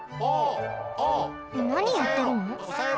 なにやってるの？